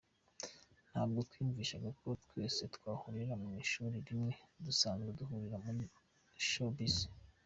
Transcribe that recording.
Ntabwo twiyumvishaga ko twese twahurira mu ishuri rimwe dusanzwe duhurira muri showbiz”.